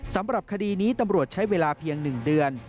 สำหรับคดีนี้ตำรวจใช้เวลาเพียง๑เดือน